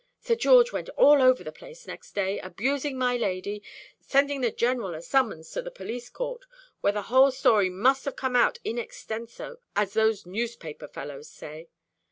Sir George went all over the place next day, abusing my lady, sent the General a summons to the police court, where the whole story must have come out in extenso, as those, newspaper fellows say.